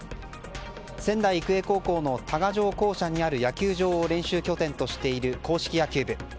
仙台育英高校の多賀城校舎にある野球場を練習拠点としている硬式野球部。